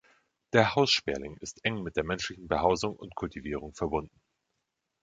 Der Haussperling ist eng mit der menschlichen Behausung und Kultivierung verbunden.